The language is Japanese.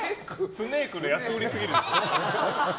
スネークの安売りすぎるでしょ。